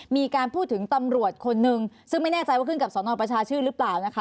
มีการพูดถึงตำรวจคนนึงซึ่งไม่แน่ใจว่าขึ้นกับสนประชาชื่นหรือเปล่านะคะ